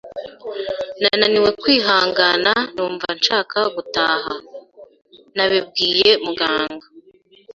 nananiwe kwihangana numva nshaka gutaha! Nabibwiye muganga